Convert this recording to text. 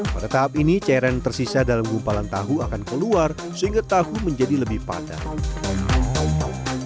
pada tahap ini cairan yang tersisa dalam gumpalan tahu akan keluar sehingga tahu menjadi lebih padat